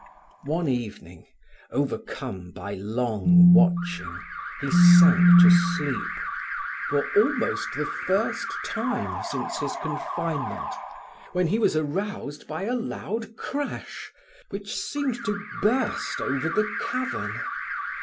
One evening, overcome by long watching, he sank to sleep, for almost the first time since his confinement, when he was aroused by a loud crash, which seemed to burst over the cavern.